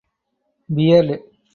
Beard.